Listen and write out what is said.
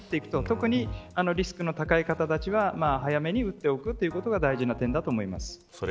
特にリスクの高い方たちは早めに打っておくことが大事な点だと思います。